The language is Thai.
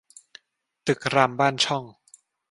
ตึกรามบ้านช่อง